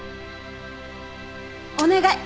お願い！